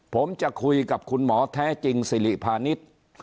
ผมจะคุยกับคุณหมอแท้จริงสิริพาณิชย์